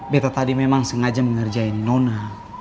beta tadi memang sengaja mengerjain nona